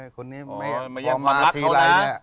คนนี้ไม่ย่างความรักเขานะ